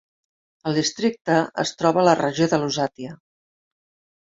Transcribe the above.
El districte es troba a la regió de Lusatia.